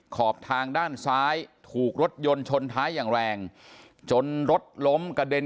ขอบทางด้านซ้ายถูกรถยนต์ชนท้ายอย่างแรงจนรถล้มกระเด็น